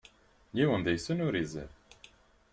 Yiwen deg-sen ur izad.